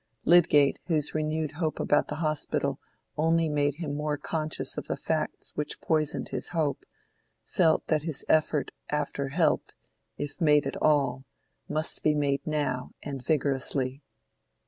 Lydgate, whose renewed hope about the Hospital only made him more conscious of the facts which poisoned his hope, felt that his effort after help, if made at all, must be made now and vigorously.